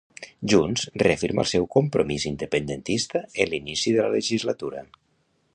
Junts reafirma el seu compromís independentista en l'inici de la legislatura.